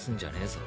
ぞ